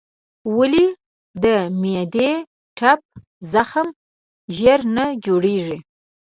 ولې د معدې ټپ زخم ژر نه جوړېږي؟